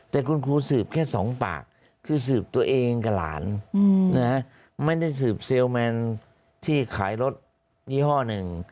แต่คุณครูสืบแค่สองปากคือสืบตัวเองกับหลานไม่ได้สืบเซลลแมนที่ขายรถยี่ห้อหนึ่ง